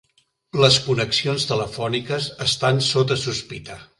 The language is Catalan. Les connexions telefòniques estan sota sospita.